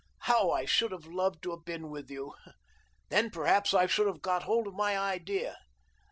How I should have loved to have been with you. Then, perhaps, I should have got hold of my idea."